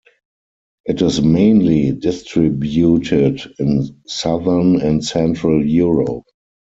It is mainly distributed in southern and central Europe.